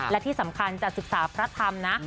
และที่สำคัญจะศึกษาพระธรรมนะ